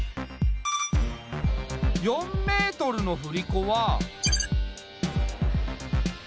４ｍの振り子は。